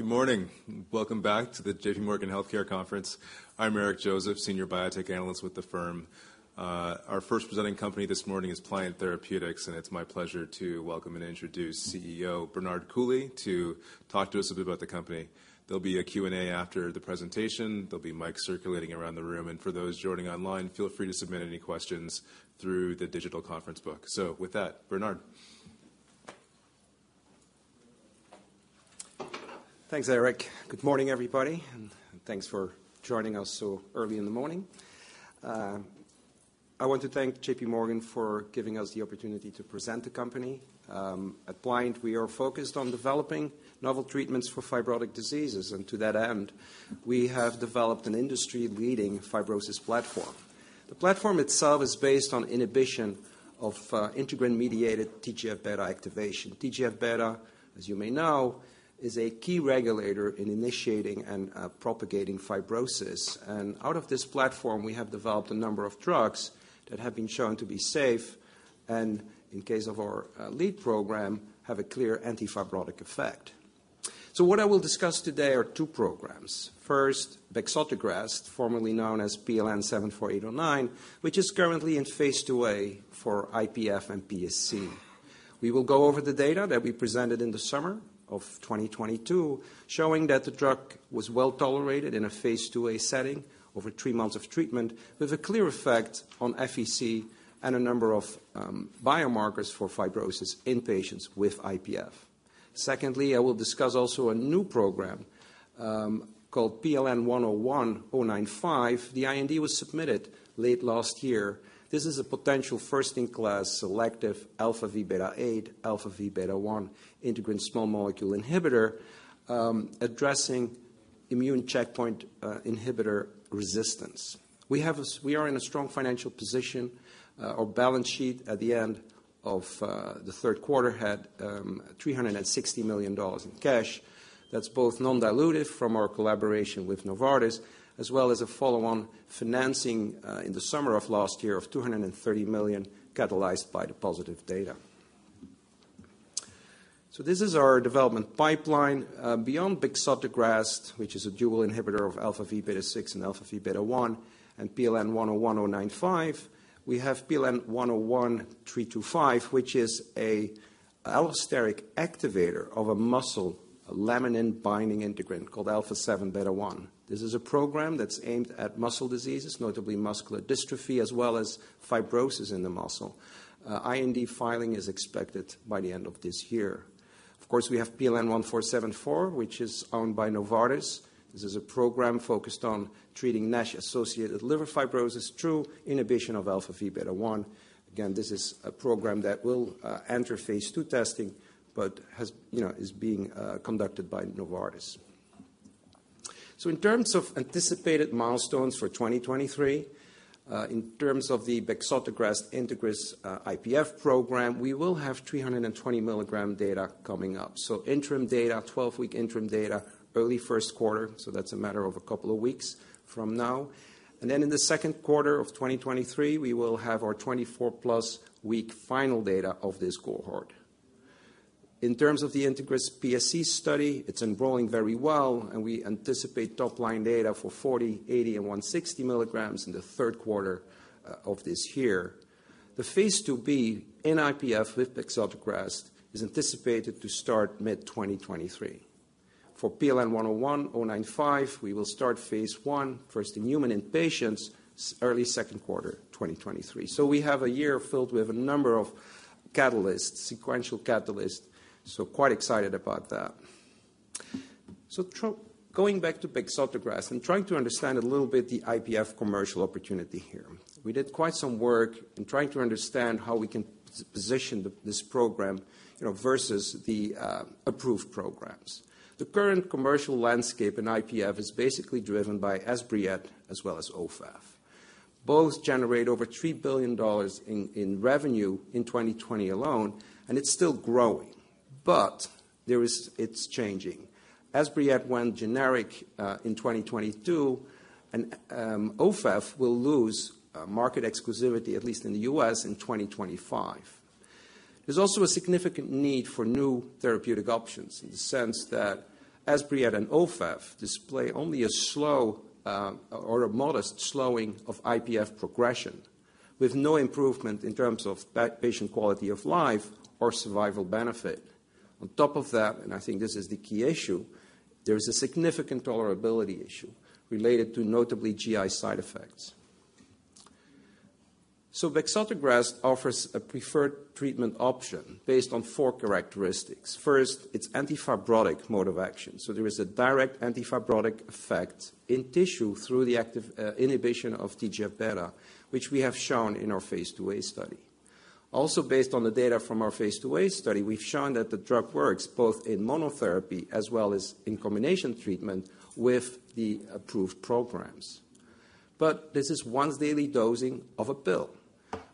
All right. Good morning. Welcome back to the JPMorgan Healthcare Conference. I'm Eric Joseph, Senior Biotech Analyst with the firm. Our first presenting company this morning is Pliant Therapeutics, and it's my pleasure to welcome and introduce CEO Bernard Coulie to talk to us a bit about the company. There'll be a Q&A after the presentation. There'll be mics circulating around the room. For those joining online, feel free to submit any questions through the digital conference book. So with that, Bernard. Thanks, Eric. Good morning, everybody, and thanks for joining us so early in the morning. I want to thank JPMorgan for giving us the opportunity to present the company. At Pliant, we are focused on developing novel treatments for fibrotic diseases, and to that end, we have developed an industry-leading fibrosis platform. The platform itself is based on inhibition of integrin-mediated TGF-beta activation. TGF-beta, as you may know, is a key regulator in initiating and propagating fibrosis. Out of this platform, we have developed a number of drugs that have been shown to be safe and, in case of our lead program, have a clear anti-fibrotic effect. What I will discuss today are two programs. First, bexotegrast, formerly known as PLN-74809, which is currently in phase II-A for IPF and PSC. We will go over the data that we presented in the summer of 2022, showing that the drug was well tolerated in a phase II-A setting over three months of treatment, with a clear effect on FVC and a number of biomarkers for fibrosis in patients with IPF. Secondly, I will discuss also a new program called PLN-101095. The IND was submitted late last year. This is a potential first-in-class selective αvβ8, αvβ1 integrin small molecule inhibitor addressing immune checkpoint inhibitor resistance. We are in a strong financial position. Our balance sheet at the end of the third quarter had $360 million in cash. That's both non-dilutive from our collaboration with Novartis, as well as a follow-on financing in the summer of last year of $230 million, catalyzed by the positive data. This is our development pipeline. Beyond bexotegrast, which is a dual inhibitor of αvβ6 and αvβ1, and PLN-101095, we have PLN-101325, which is a allosteric activator of a muscle laminin binding integrin called α7β1. This is a program that's aimed at muscle diseases, notably muscular dystrophy, as well as fibrosis in the muscle. IND filing is expected by the end of this year. Of course, we have PLN-1474, which is owned by Novartis. This is a program focused on treating NASH-associated liver fibrosis through inhibition of αvβ1. Again, this is a program that will enter phase II testing, but has, you know, is being conducted by Novartis. In terms of anticipated milestones for 2023, in terms of the bexotegrast INTEGRIS-IPF program, we will have 320mg data coming up. Interim data, 12-week interim data, early first quarter, that's a matter of a couple of weeks from now. In the second quarter of 2023, we will have our 24+ week final data of this cohort. In terms of the INTEGRIS-PSC study, it's enrolling very well, we anticipate top-line data for 40mg, 80mg, and 160mg in the third quarter of this year. The phase II-B in IPF with bexotegrast is anticipated to start mid-2023. For PLN-101095, we will start phase I, first in human in patients, early second quarter, 2023. We have a year filled with a number of catalysts, sequential catalysts, so quite excited about that. Going back to bexotegrast and trying to understand a little bit the IPF commercial opportunity here. We did quite some work in trying to understand how we can position this program, you know, versus the approved programs. The current commercial landscape in IPF is basically driven by Esbriet as well as Ofev. Both generate over $3 billion in revenue in 2020 alone, and it's still growing. There is. It's changing. Esbriet went generic in 2022, and Ofev will lose market exclusivity, at least in the U.S., in 2025. There's also a significant need for new therapeutic options in the sense that Esbriet and Ofev display only a slow, or a modest slowing of IPF progression, with no improvement in terms of patient quality of life or survival benefit. On top of that, and I think this is the key issue, there is a significant tolerability issue related to notably GI side effects. Bexotegrast offers a preferred treatment option based on four characteristics. First, its anti-fibrotic mode of action. There is a direct anti-fibrotic effect in tissue through the active inhibition of TGF-beta, which we have shown in our phase II-A study. Also, based on the data from our phase II-A study, we've shown that the drug works both in monotherapy as well as in combination treatment with the approved programs. This is once-daily dosing of a pill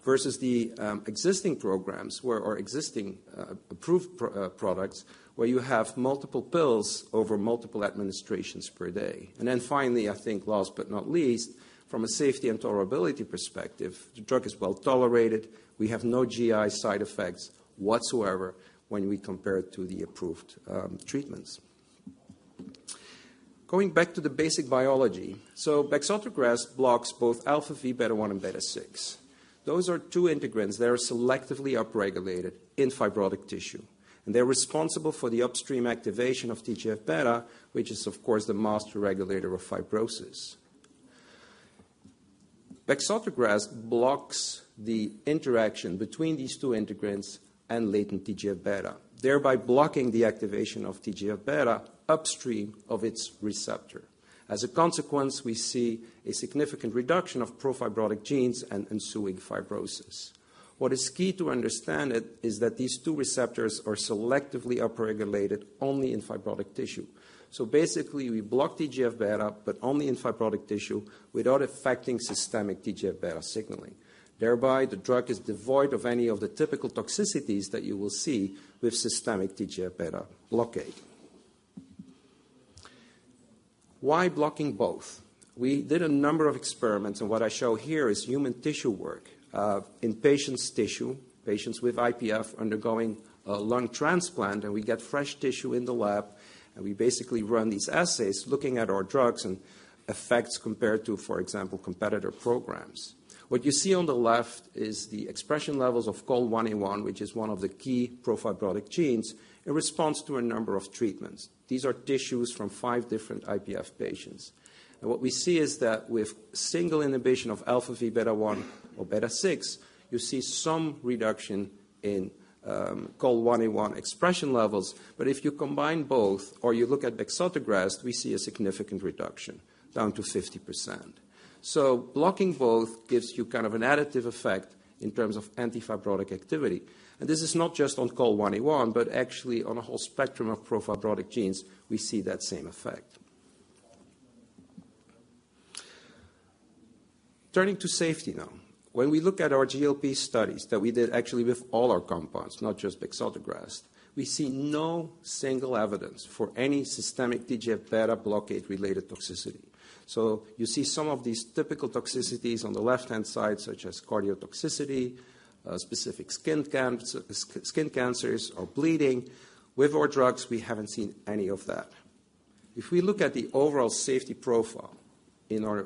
versus the existing programs where our existing approved products where you have multiple pills over multiple administrations per day. Finally, I think last but not least, from a safety and tolerability perspective, the drug is well-tolerated. We have no GI side effects whatsoever when we compare it to the approved treatments. Going back to the basic biology. bexotegrast blocks both αvβ1 and αvβ6. Those are two integrins that are selectively upregulated in fibrotic tissue, and they're responsible for the upstream activation of TGF-beta, which is, of course, the master regulator of fibrosis. bexotegrast blocks the interaction between these two integrins and latent TGF-beta, thereby blocking the activation of TGF-beta upstream of its receptor. As a consequence, we see a significant reduction of pro-fibrotic genes and ensuing fibrosis. What is key to understand it is that these two receptors are selectively upregulated only in fibrotic tissue. Basically, we block TGF-beta, but only in fibrotic tissue without affecting systemic TGF-beta signaling. Thereby, the drug is devoid of any of the typical toxicities that you will see with systemic TGF-beta blockade. Why blocking both? We did a number of experiments, what I show here is human tissue work, in patients' tissue, patients with IPF undergoing a lung transplant, we get fresh tissue in the lab, we basically run these assays looking at our drugs and effects compared to, for example, competitor programs. What you see on the left is the expression levels of COL1A1, which is one of the key pro-fibrotic genes, in response to a number of treatments. These are tissues from five different IPF patients. What we see is that with single inhibition of αvβ1 or αvβ6, you see some reduction in COL1A1 expression levels. If you combine both or you look at bexotegrast, we see a significant reduction down to 50%. Blocking both gives you kind of an additive effect in terms of anti-fibrotic activity. This is not just on COL1A1, but actually on a whole spectrum of pro-fibrotic genes, we see that same effect. Turning to safety now. When we look at our GLP studies that we did actually with all our compounds, not just bexotegrast, we see no single evidence for any systemic TGF-beta blockade-related toxicity. You see some of these typical toxicities on the left-hand side, such as cardiotoxicity, specific skin cancers or bleeding. With our drugs, we haven't seen any of that. If we look at the overall safety profile in our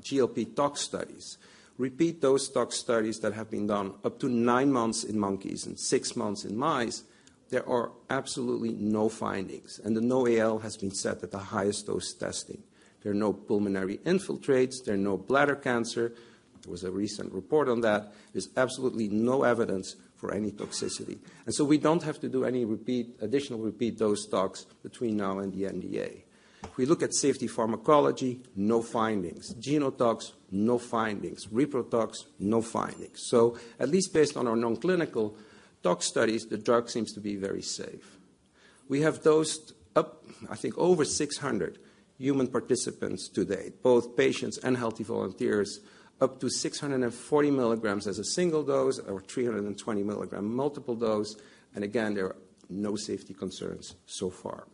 GLP tox studies, repeat those tox studies that have been done up to nine months in monkeys and six months in mice, there are absolutely no findings, and the NOAEL has been set at the highest dose testing. There are no pulmonary infiltrates, there are no bladder cancer. There was a recent report on that. There's absolutely no evidence for any toxicity. We don't have to do any additional repeat dose tox between now and the NDA. If we look at safety pharmacology, no findings. Genotox, no findings. Reprotox, no findings. At least based on our known clinical tox studies, the drug seems to be very safe. We have dosed up, I think, over 600 human participants to date, both patients and healthy volunteers, up to 640mg as a single dose or 320mg multiple dose. Again, there are no safety concerns so far.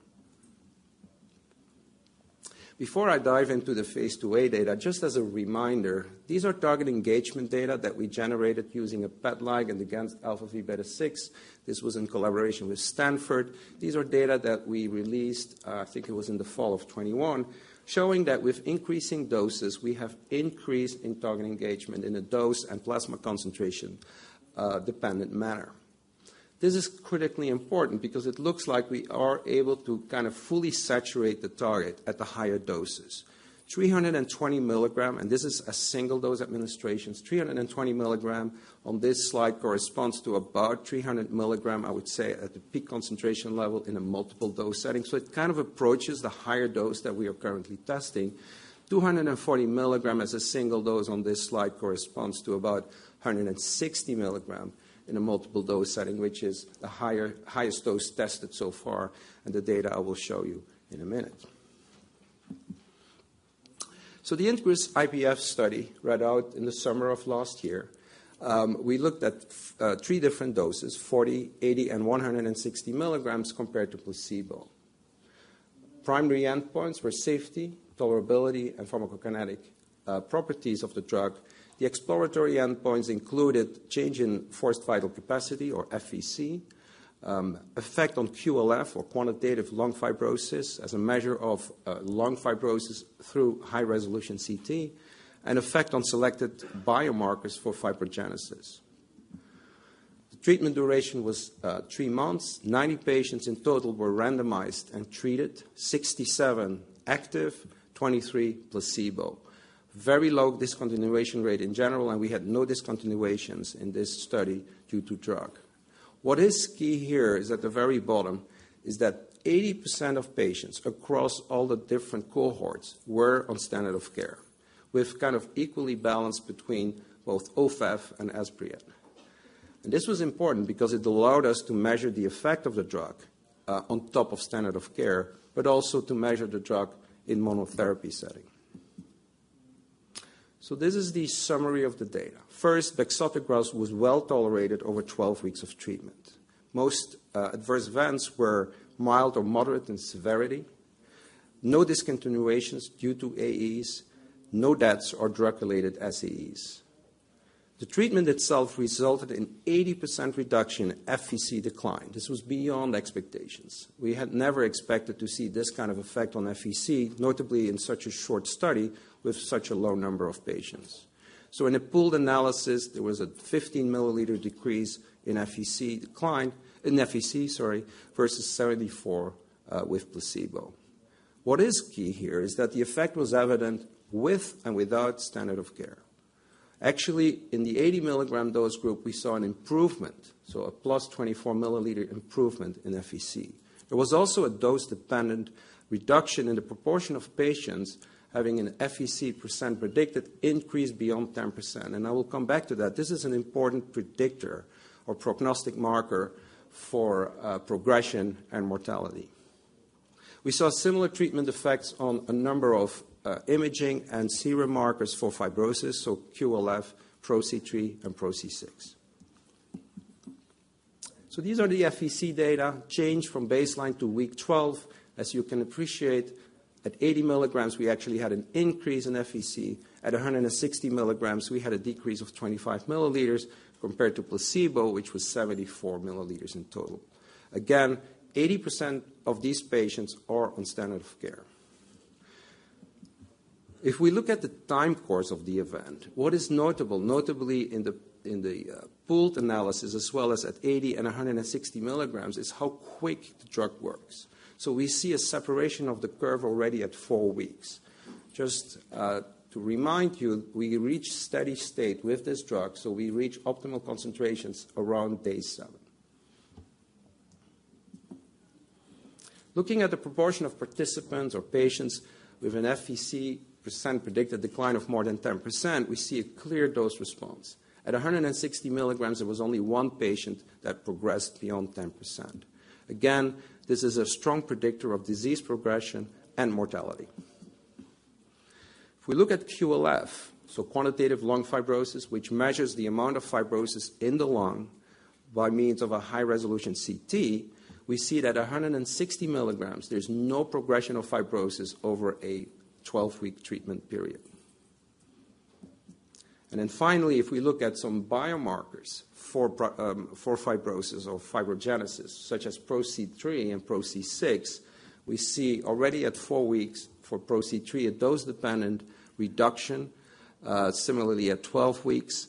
Before I dive into the phase II-A data, just as a reminder, these are target engagement data that we generated using a PET ligand against αvβ6. This was in collaboration with Stanford. These are data that we released, I think it was in the fall of 2021, showing that with increasing doses, we have increase in target engagement in a dose and plasma concentration dependent manner. This is critically important because it looks like we are able to kind of fully saturate the target at the higher doses. 320mg. This is a single dose administrations, 320mg on this slide corresponds to about 300mg, I would say, at the peak concentration level in a multiple dose setting. It kind of approaches the higher dose that we are currently testing. 240mg as a single dose on this slide corresponds to about 160mg in a multiple dose setting, which is the highest dose tested so far in the data I will show you in a minute. The INTEGRIS-IPF study read out in the summer of last year, we looked at three different doses, 40mg, 80mg, and 160mg compared to placebo. Primary endpoints were safety, tolerability, and pharmacokinetic properties of the drug. The exploratory endpoints included change in Forced Vital Capacity or FVC, effect on QLF or quantitative lung fibrosis as a measure of lung fibrosis through high-resolution CT, and effect on selected biomarkers for fibrogenesis. The treatment duration was three months. 90 patients in total were randomized and treated, 67 active, 23 placebo. Very low discontinuation rate in general, and we had no discontinuations in this study due to drug. What is key here is at the very bottom is that 80% of patients across all the different cohorts were on standard of care with kind of equally balanced between both Ofev and Esbriet. This was important because it allowed us to measure the effect of the drug on top of standard of care, but also to measure the drug in monotherapy setting. This is the summary of the data. Bexotegrast was well-tolerated over 12 weeks of treatment. Most adverse events were mild or moderate in severity. No discontinuations due to AEs, no deaths or drug-related SAEs. The treatment itself resulted in 80% reduction in FVC decline. This was beyond expectations. We had never expected to see this kind of effect on FVC, notably in such a short study with such a low number of patients. In a pooled analysis, there was a 15mL decrease in FVC decline in FVC, sorry, versus 74 with placebo. What is key here is that the effect was evident with and without standard of care. Actually, in the 80mg dose group, we saw an improvement, so a +24mL improvement in FVC. There was also a dose-dependent reduction in the proportion of patients having an FVC percent predicted increase beyond 10%, and I will come back to that. This is an important predictor or prognostic marker for progression and mortality. We saw similar treatment effects on a number of imaging and serum markers for fibrosis, so QLF, PRO-C3, and PRO-C6. These are the FVC data change from baseline to week 12. As you can appreciate, at 80mg, we actually had an increase in FVC. At 160mg, we had a decrease of 25mL compared to placebo, which was 74mL in total. 80% of these patients are on standard of care. If we look at the time course of the event, what is notably in the pooled analysis as well as at 80mg and 160mg, is how quick the drug works. We see a separation of the curve already at four weeks. To remind you, we reach steady state with this drug, we reach optimal concentrations around day seven. Looking at the proportion of participants or patients with an FVC percent predicted decline of more than 10%, we see a clear dose response. At 160mg, there was only one patient that progressed beyond 10%. This is a strong predictor of disease progression and mortality. We look at QLF, quantitative lung fibrosis, which measures the amount of fibrosis in the lung by means of a high-resolution CT, we see that at 160mg, there's no progression of fibrosis over a 12-week treatment period. Finally, if we look at some biomarkers for fibrosis or fibrogenesis, such as PRO-C3 and PRO-C6, we see already at four weeks for PRO-C3 a dose-dependent reduction, similarly at 12 weeks.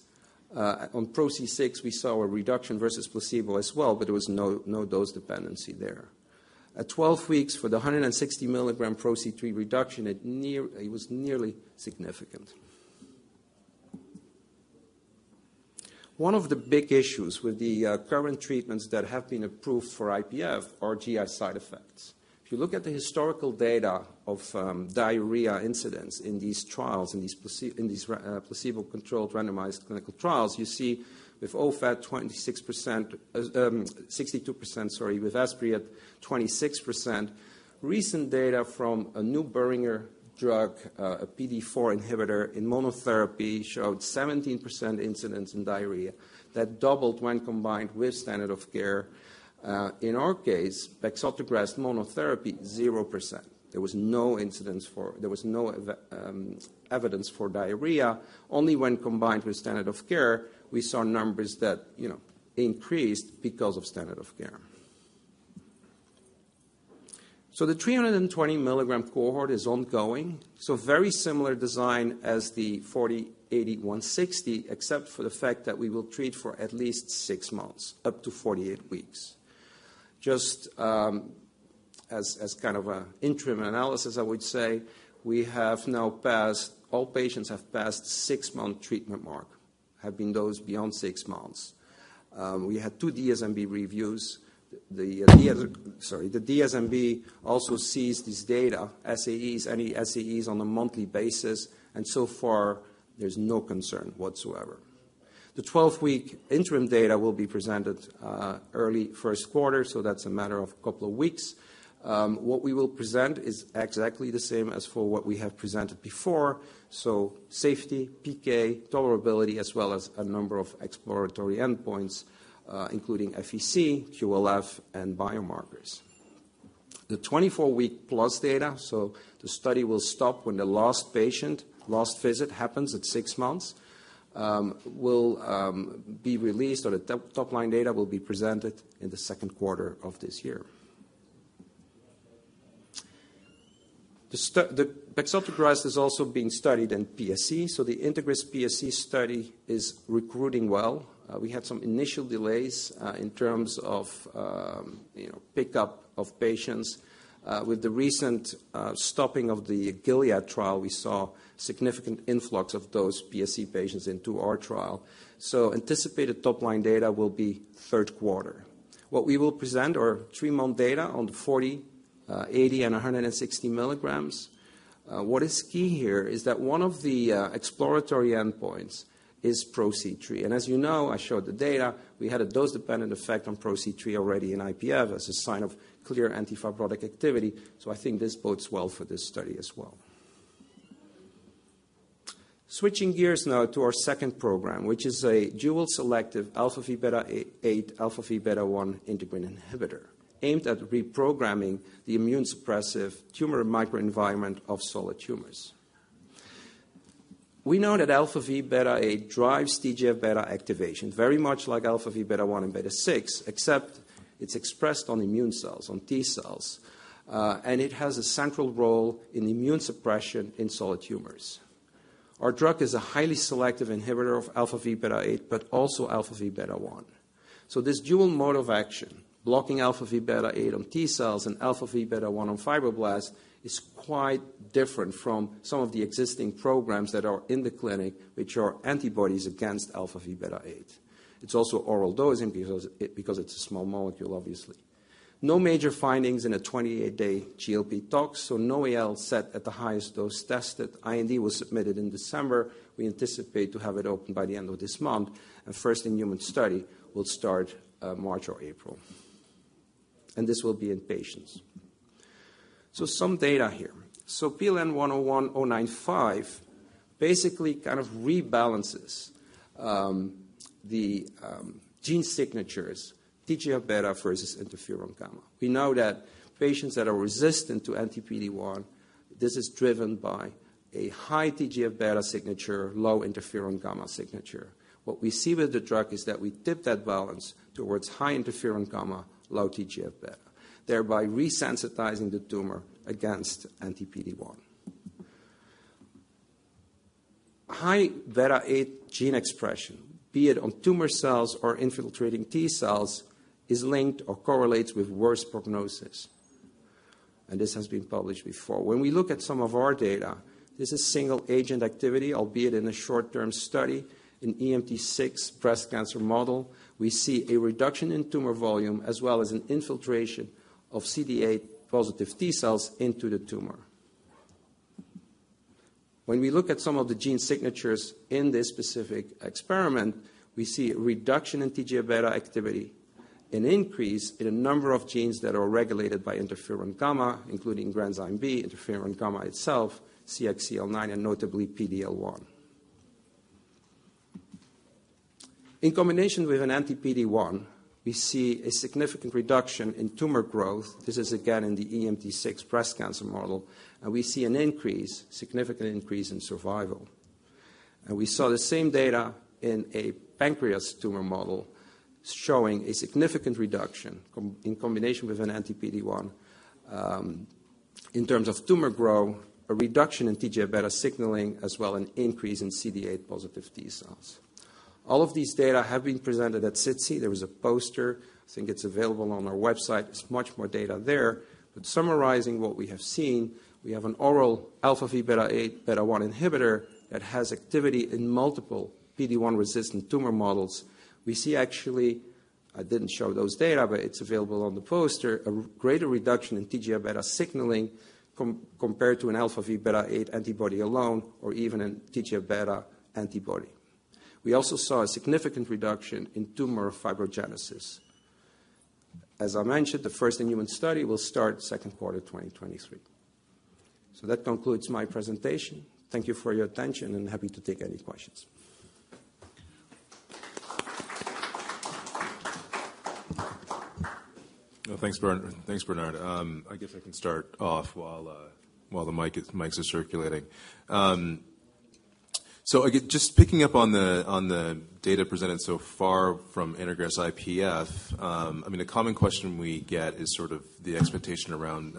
On PRO-C6, we saw a reduction versus placebo as well, but there was no dose dependency there. At 12 weeks for the 160mg PRO-C3 reduction, it was nearly significant. One of the big issues with the current treatments that have been approved for IPF are GI side effects. If you look at the historical data of diarrhea incidents in these trials, in these placebo-controlled randomized clinical trials, you see with Ofev, 26%, 62%, sorry, with Esbriet at 26%. Recent data from a new Boehringer drug, a PDE4 inhibitor in monotherapy, showed 17% incidence in diarrhea. That doubled when combined with standard of care. In our case, bexotegrast monotherapy, 0%. There was no evidence for diarrhea. Only when combined with standard of care, we saw numbers that, you know, increased because of standard of care. The 320mg cohort is ongoing, very similar design as the 40mg, 80mg, 160mg, except for the fact that we will treat for at least six months, up to 48 weeks. Just, as kind of a interim analysis, I would say all patients have passed six month treatment mark, have been dosed beyond six months. We had two DSMB reviews. The, Sorry. The DSMB also sees this data, SAEs, any SAEs, on a monthly basis. So far there's no concern whatsoever. The 12-week interim data will be presented early first quarter. That's a matter of a couple of weeks. What we will present is exactly the same as for what we have presented before. Safety, PK, tolerability, as well as a number of exploratory endpoints, including FVC, QLF, and biomarkers. The 24+ week data, the study will stop when the last patient, last visit happens at six months, will be released or the top-line data will be presented in the second quarter of this year. The bexotegrast is also being studied in PSC. The INTEGRIS-PSC study is recruiting well. We had some initial delays in terms of, you know, pickup of patients. With the recent stopping of the Gilead trial, we saw significant influx of those PSC patients into our trial. Anticipated top-line data will be third quarter. What we will present are three month data on the 40mg, 80mg, and 160mg. What is key here is that one of the exploratory endpoints is PRO-C3. As you know, I showed the data, we had a dose-dependent effect on PRO-C3 already in IPF as a sign of clear anti-fibrotic activity. I think this bodes well for this study as well. Switching gears now to our second program, which is a dual selective αvβ8, αvβ1 integrin inhibitor aimed at reprogramming the immune-suppressive tumor microenvironment of solid tumors. We know that αvβ8 drives TGF-beta activation very much like αvβ1 and αvβ6, except it's expressed on immune cells, on T cells. It has a central role in immune suppression in solid tumors. Our drug is a highly selective inhibitor of αvβ8, but also αvβ1. This dual mode of action, blocking αvβ8 on T cells and αvβ1 on fibroblasts, is quite different from some of the existing programs that are in the clinic, which are antibodies against αvβ8. It's also oral dosing because it's a small molecule, obviously. No major findings in a 28-day GLP tox, so no AL set at the highest dose tested. IND was submitted in December. We anticipate to have it open by the end of this month, and first-in-human study will start March or April. This will be in patients. Some data here. PLN-101095 basically kind of rebalances the gene signatures, TGF-beta versus Interferon-gamma. We know that patients that are resistant to anti-PD-1, this is driven by a high TGF-beta signature, low Interferon-gamma signature. What we see with the drug is that we tip that balance towards high Interferon-gamma, low TGF-beta, thereby resensitizing the tumor against anti-PD-1. High β8 gene expression, be it on tumor cells or infiltrating T cells, is linked or correlates with worse prognosis, and this has been published before. When we look at some of our data, this is single agent activity, albeit in a short-term study in EMT6 breast cancer model. We see a reduction in tumor volume as well as an infiltration of CD8 positive T cells into the tumor. When we look at some of the gene signatures in this specific experiment, we see a reduction in TGF-beta activity, an increase in a number of genes that are regulated by Interferon-gamma, including Granzyme B, Interferon-gamma itself, CXCL9, and notably PD-L1. In combination with an anti-PD-1, we see a significant reduction in tumor growth. This is again in the EMT6 breast cancer model. We see a significant increase in survival. We saw the same data in a pancreas tumor model showing a significant reduction. in combination with an anti-PD-1, in terms of tumor grow, a reduction in TGF-beta signaling, as well an increase in CD8 positive T cells. All of these data have been presented at SITC. There was a poster. I think it's available on our website. There's much more data there. Summarizing what we have seen, we have an oral αvβ8 β1 inhibitor that has activity in multiple PD-1-resistant tumor models. We see actually, I didn't show those data, but it's available on the poster, a greater reduction in TGF-beta signaling compared to an αvβ8 antibody alone or even a TGF-beta antibody. We also saw a significant reduction in tumor fibrogenesis. As I mentioned, the first in-human study will start second quarter 2023. That concludes my presentation. Thank you for your attention, and happy to take any questions. Well, thanks Bernard. I guess I can start off while mics are circulating. Just picking up on the data presented so far from INTEGRIS-IPF, I mean, a common question we get is sort of the expectation around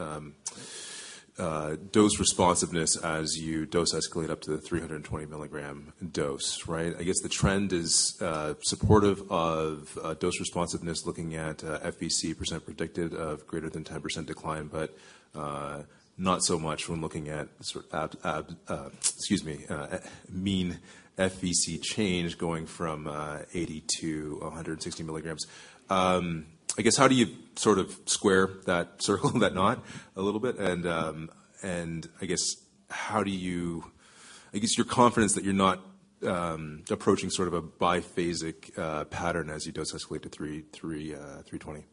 dose responsiveness as you dose escalate up to the 320mg dose, right? I guess the trend is supportive of dose responsiveness looking at FVC percent predicted of greater than 10% decline, but not so much when looking at excuse me, mean FVC change going from 80mg-160mg. I guess how do you sort of square that circle, that knot a little bit? I guess your confidence that you're not approaching sort of a biphasic pattern as you dose escalate to 320mg?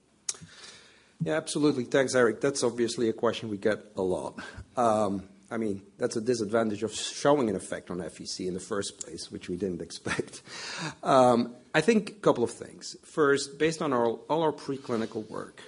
Yeah, absolutely. Thanks, Eric. That's obviously a question we get a lot. I mean, that's a disadvantage of showing an effect on FVC in the first place, which we didn't expect. I think couple of things. First, based on our, all our preclinical work,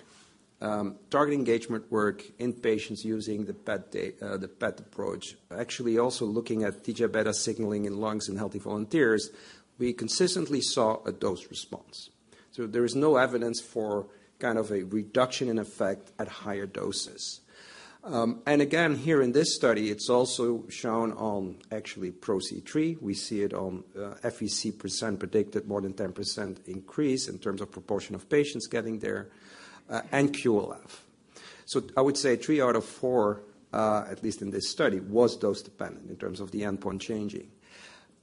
target engagement work in patients using the PET approach, actually also looking at TGF-beta signaling in lungs in healthy volunteers, we consistently saw a dose response. There is no evidence for kind of a reduction in effect at higher doses. Again, here in this study, it's also shown on actually PRO-C3. We see it on FVC percent predicted more than 10% increase in terms of proportion of patients getting there, and QLF. I would say three out of four, at least in this study, was dose-dependent in terms of the endpoint changing.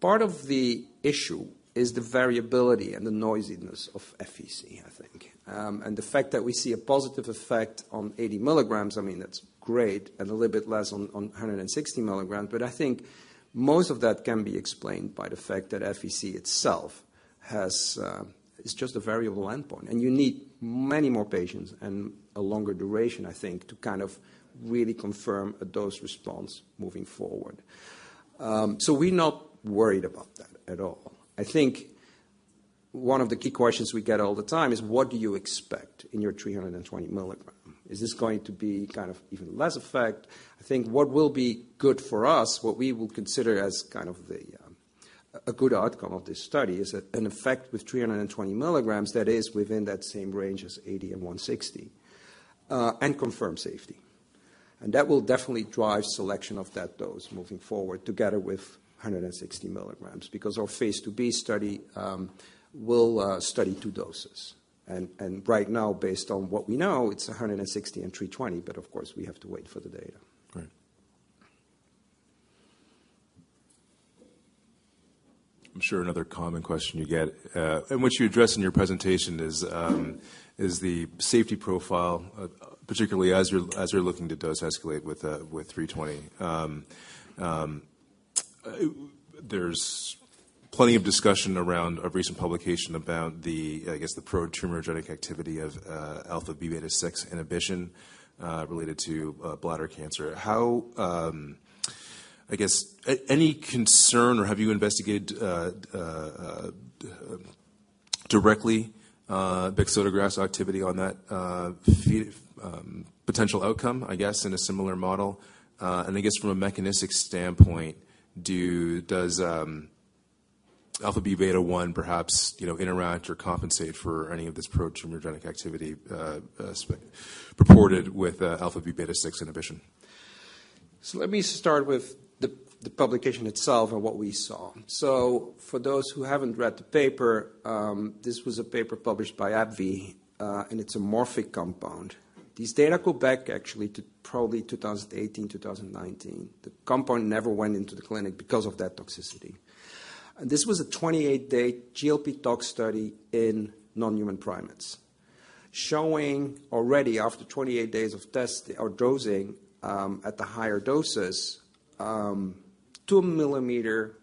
Part of the issue is the variability and the noisiness of FVC, I think. The fact that we see a positive effect on 80mg, I mean, that's great, and a little bit less on 160mg, but I think most of that can be explained by the fact that FVC itself has, is just a variable endpoint. You need many more patients and a longer duration, I think, to kind of really confirm a dose response moving forward. We're not worried about that at all. I think. One of the key questions we get all the time is what do you expect in your 320mg? Is this going to be kind of even less effect? I think what will be good for us, what we will consider as kind of the, a good outcome of this study is that an effect with 320mg that is within that same range as 80mg and 160mg, and confirm safety. That will definitely drive selection of that dose moving forward together with 160mg because our phase II-B study, will study two doses. Right now, based on what we know, it's 160mg and 320mg, of course, we have to wait for the data. Right. I'm sure another common question you get, and which you addressed in your presentation is the safety profile, particularly as you're, as you're looking to dose escalate with 320mg. There's plenty of discussion around a recent publication about the, I guess, the pro-tumorigenic activity of αvβ6 inhibition, related to bladder cancer. How, I guess, any concern or have you investigated, directly, bexotegrast activity on that potential outcome, I guess, in a similar model? I guess from a mechanistic standpoint, does αvβ1 perhaps, you know, interact or compensate for any of this pro-tumorigenic activity, purported with αvβ6 inhibition? Let me start with the publication itself and what we saw. For those who haven't read the paper, this was a paper published by AbbVie, and it's a Morphic compound. These data go back actually to probably 2018, 2019. The compound never went into the clinic because of that toxicity. This was a 28-day GLP tox study in non-human primates showing already after 28 days of test or dosing, at the higher doses, 2mmlesions,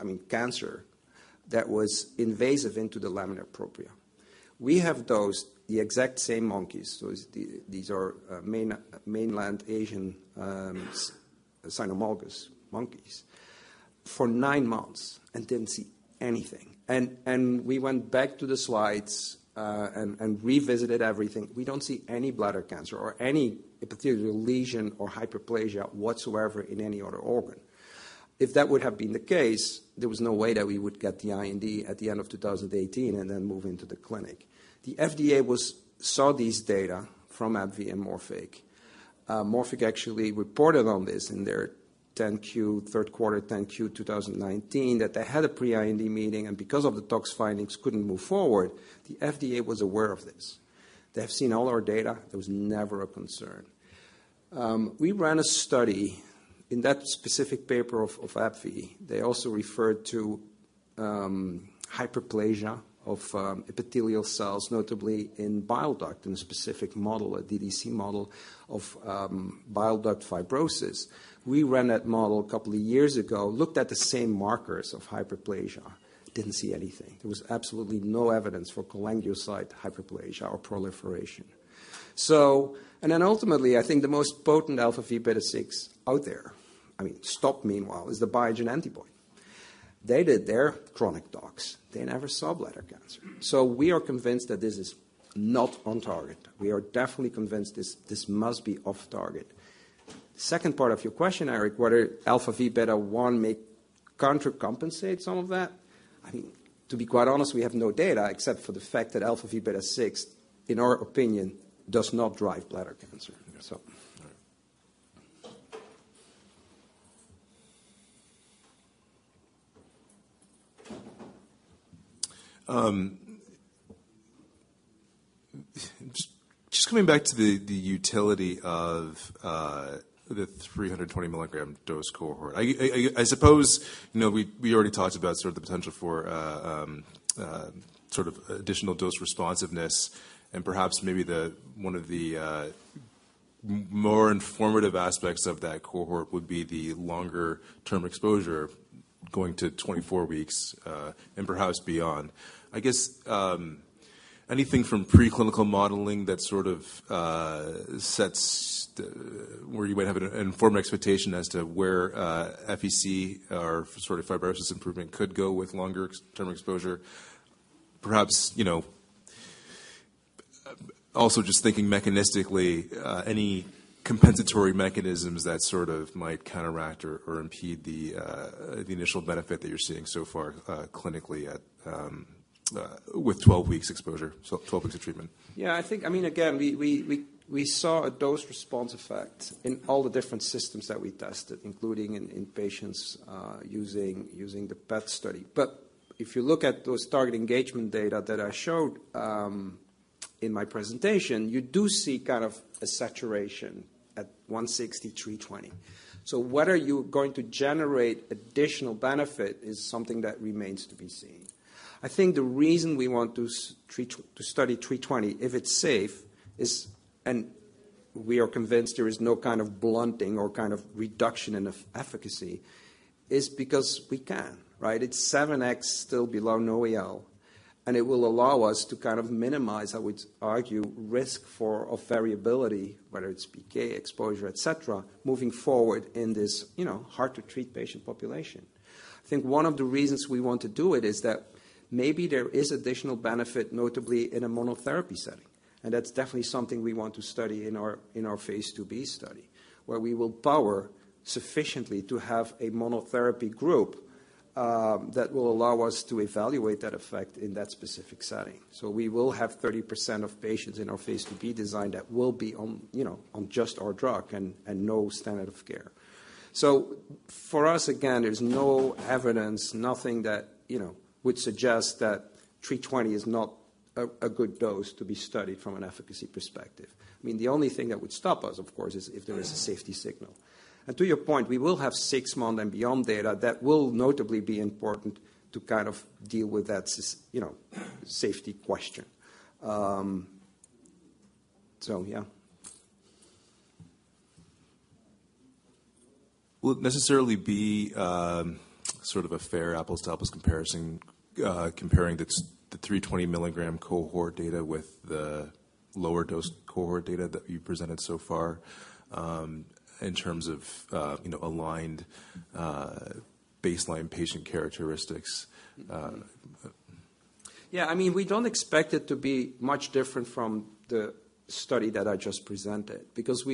I mean, cancer that was invasive into the lamina propria. We have dosed the exact same monkeys, so these are mainland Asian cynomolgus monkeys for nine months and didn't see anything. We went back to the slides and revisited everything. We don't see any bladder cancer or any epithelial lesion or hyperplasia whatsoever in any other organ. If that would have been the case, there was no way that we would get the IND at the end of 2018 and then move into the clinic. The FDA saw these data from AbbVie and Morphic. Morphic actually reported on this in their 10-Q third quarter 10-Q 2019, that they had a pre-IND meeting, and because of the tox findings, couldn't move forward. The FDA was aware of this. They have seen all our data. There was never a concern. We ran a study. In that specific paper of AbbVie, they also referred to hyperplasia of epithelial cells, notably in bile duct, in a specific model, a DDC model of bile duct fibrosis. We ran that model a couple of years ago, looked at the same markers of hyperplasia, didn't see anything. There was absolutely no evidence for cholangiocyte hyperplasia or proliferation. Ultimately, I think the most potent αvβ6 out there, I mean, stopped meanwhile, is the Biogen antibody. They did their chronic docs. They never saw bladder cancer. We are convinced that this is not on target. We are definitely convinced this must be off target. Second part of your question, Eric, whether αvβ1 may contra compensate some of that. I mean, to be quite honest, we have no data except for the fact that αvβ6, in our opinion, does not drive bladder cancer. All right. Just coming back to the utility of the 320mg dose cohort. I suppose, you know, we already talked about sort of the potential for sort of additional dose responsiveness and perhaps maybe the, one of the more informative aspects of that cohort would be the longer term exposure going to 24 weeks, and perhaps beyond. I guess, anything from preclinical modeling that sort of sets where you might have an informed expectation as to where FVC or sort of fibrosis improvement could go with longer term exposure, perhaps, you know, also just thinking mechanistically, any compensatory mechanisms that sort of might counteract or impede the initial benefit that you're seeing so far, clinically at with 12 weeks exposure, 12 weeks of treatment? Yeah, I think, I mean, again, we saw a dose response effect in all the different systems that we tested, including in patients, using the PET study. If you look at those target engagement data that I showed, in my presentation, you do see kind of a saturation at 160mg, 320mg. Whether you're going to generate additional benefit is something that remains to be seen. I think the reason we want to study 320mg, if it's safe, is, and we are convinced there is no kind of blunting or kind of reduction in efficacy, is because we can, right? It's 7x still below NOEL, and it will allow us to kind of minimize, I would argue, risk for a variability, whether it's PK exposure, et cetera, moving forward in this, you know, hard to treat patient population. I think one of the reasons we want to do it is that Maybe there is additional benefit, notably in a monotherapy setting. That's definitely something we want to study in our, in our phase II-B study, where we will power sufficiently to have a monotherapy group that will allow us to evaluate that effect in that specific setting. We will have 30% of patients in our phase II-B design that will be on, you know, on just our drug and no standard of care. For us, again, there's no evidence, nothing that, you know, would suggest that 320mg is not a good dose to be studied from an efficacy perspective. I mean, the only thing that would stop us, of course, is if there is a safety signal. To your point, we will have six month and beyond data that will notably be important to kind of deal with that, you know, safety question. Yeah. Will it necessarily be, sort of a fair apples-to-apples comparison, comparing the 320mg cohort data with the lower dose cohort data that you presented so far, in terms of, you know, aligned, baseline patient characteristics? Yeah. I mean, we don't expect it to be much different from the study that I just presented because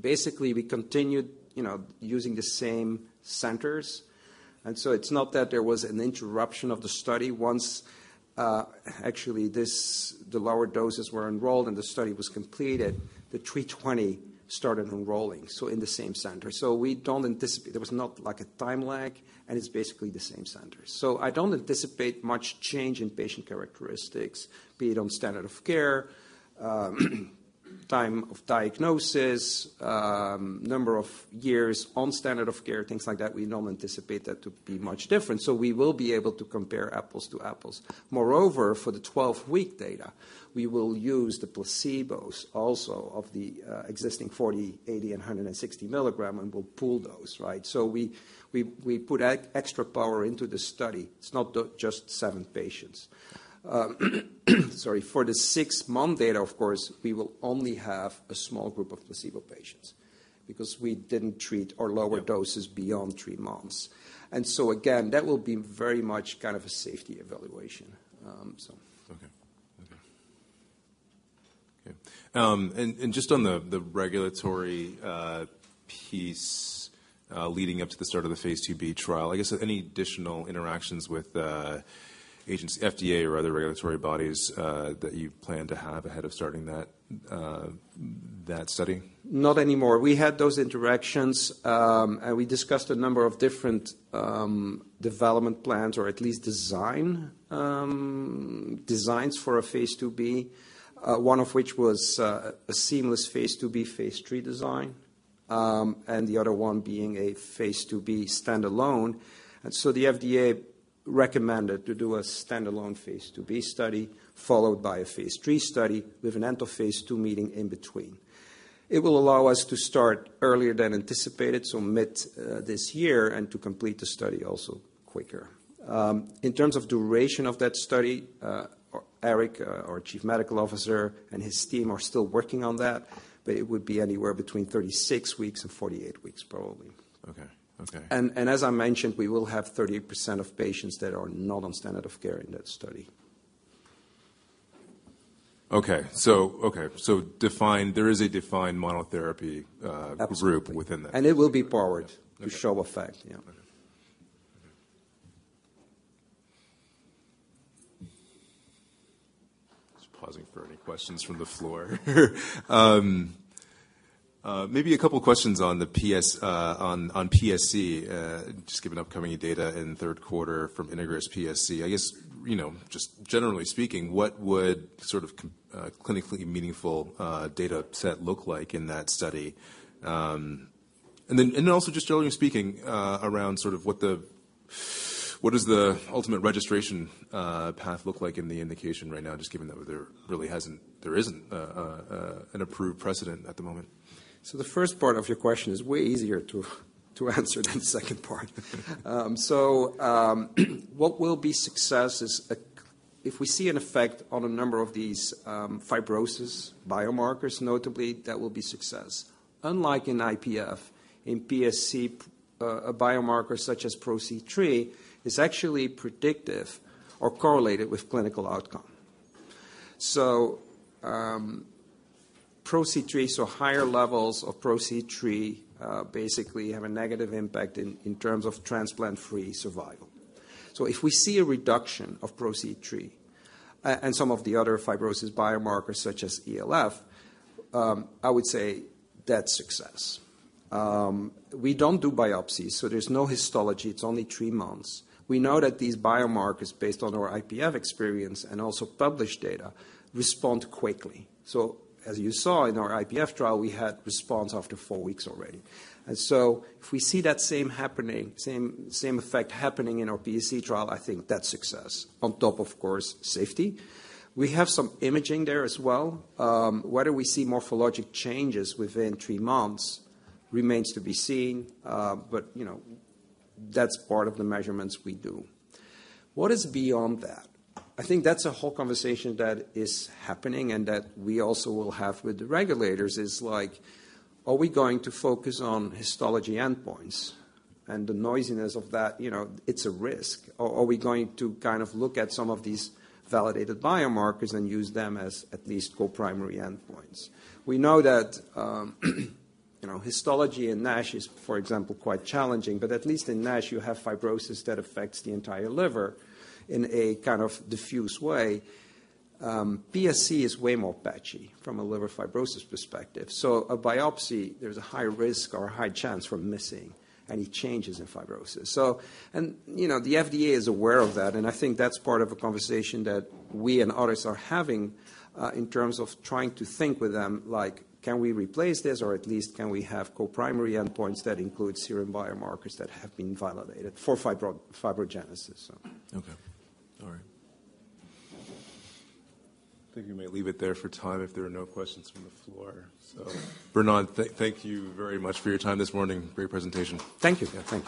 basically, we continued, you know, using the same centers. It's not that there was an interruption of the study. Once, actually the lower doses were enrolled and the study was completed, the 320mg started enrolling, so in the same center. We don't anticipate. There was not like a time lag, it's basically the same center. I don't anticipate much change in patient characteristics, be it on standard of care, time of diagnosis, number of years on standard of care, things like that. We don't anticipate that to be much different. We will be able to compare apples to apples. For the 12-week data, we will use the placebos also of the existing 40m, 80mg, and 160mg, and we'll pool those, right? We put extra power into the study. It's not just seven patients. Sorry. For the six month data, of course, we will only have a small group of placebo patients because we didn't treat our lower doses... Yeah. -beyond three months. Again, that will be very much kind of a safety evaluation. so. Okay. Okay. Okay. Just on the regulatory piece leading up to the start of the phase II-B trial, I guess, any additional interactions with agents, FDA or other regulatory bodies, that you plan to have ahead of starting that study? Not anymore. We had those interactions, and we discussed a number of different development plans, or at least designs for a phase II-B. One of which was a seamless phase II-B, phase III design, and the other one being a phase II-B standalone. The FDA recommended to do a standalone phase II-B study followed by a phase III study with an end of phase II meeting in between. It will allow us to start earlier than anticipated, so mid this year and to complete the study also quicker. In terms of duration of that study, Eric, our Chief Medical Officer and his team are still working on that, but it would be anywhere between 36 weeks and 48 weeks probably. Okay. Okay. As I mentioned, we will have 30% of patients that are not on standard of care in that study. Okay. There is a defined monotherapy. Absolutely. -group within that. it will be powered. Okay. to show effect. Yeah. Okay. Just pausing for any questions from the floor. Maybe a couple questions on the PS, on PSC, just given upcoming data in the third quarter from INTEGRIS-PSC. I guess, you know, just generally speaking, what would sort of clinically meaningful data set look like in that study? Also just generally speaking, around sort of what does the ultimate registration path look like in the indication right now, just given that there really hasn't, there isn't, an approved precedent at the moment? The first part of your question is way easier to answer than the second part. What will be success is if we see an effect on a number of these fibrosis biomarkers, notably, that will be success. Unlike in IPF, in PSC, a biomarker such as PRO-C3 is actually predictive or correlated with clinical outcome. PRO-C3, higher levels of PRO-C3 basically have a negative impact in terms of transplant-free survival. If we see a reduction of PRO-C3 and some of the other fibrosis biomarkers such as ELF, I would say that's success. We don't do biopsies, so there's no histology. It's only three months. We know that these biomarkers, based on our IPF experience and also published data, respond quickly. As you saw in our IPF trial, we had response after four weeks already. If we see that same happening, same effect happening in our PSC trial, I think that's success. On top, of course, safety. We have some imaging there as well. Whether we see morphologic changes within three months remains to be seen. You know, that's part of the measurements we do. What is beyond that? I think that's a whole conversation that is happening and that we also will have with the regulators is, like, are we going to focus on histology endpoints and the noisiness of that? You know, it's a risk. Are we going to kind of look at some of these validated biomarkers and use them as at least co-primary endpoints? We know that, you know, histology in NASH is, for example, quite challenging, but at least in NASH you have fibrosis that affects the entire liver in a kind of diffuse way. PSC is way more patchy from a liver fibrosis perspective. A biopsy, there's a high risk or a high chance for missing any changes in fibrosis. You know, the FDA is aware of that, and I think that's part of a conversation that we and others are having, in terms of trying to think with them, like, can we replace this or at least can we have co-primary endpoints that include serum biomarkers that have been validated for fibrogenesis? Okay. All right. I think we may leave it there for time if there are no questions from the floor. Bernard, thank you very much for your time this morning. Great presentation. Thank you. Yeah. Thank you.